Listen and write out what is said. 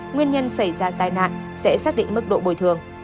nguyên nhân xảy ra tai nạn sẽ xác định mức độ bồi thường